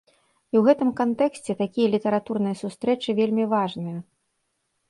І ў гэтым кантэксце такія літаратурныя сустрэчы вельмі важныя.